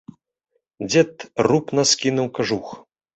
Дзед рупна скінуў кажух.